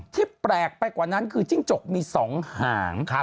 ที่แปลกไปกว่านั้นคือจิ้งจกมี๒หาง